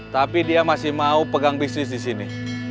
tapi dia masih mau pegang bisnis disini